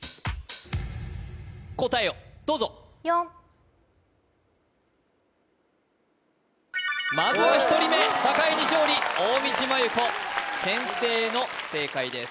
答えをどうぞまずは１人目酒井に勝利大道麻優子先制の正解です